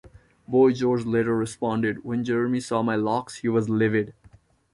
Boy George later responded: When Jeremy saw my locks he was livid.